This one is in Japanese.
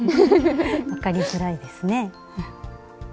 分かりづらいですね。